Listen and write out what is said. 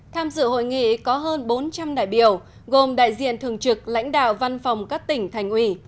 tham dự hội nghị có hơn bốn trăm linh đại biểu gồm đại diện thường trực lãnh đạo văn phòng các tỉnh thành ủy